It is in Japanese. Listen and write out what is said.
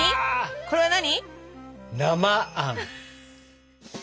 これは何？